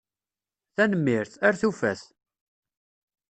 Tanemmirt! Ar tufat!